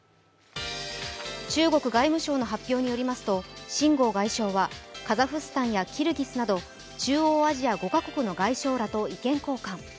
中国外務省の発表によりますと、秦剛外相はカザフスタンやキルギスなど中央アジア５か国の外相らと意見交換。